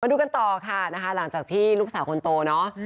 ดูกันต่อค่ะนะคะหลังจากที่ลูกสาวคนโตเนอะ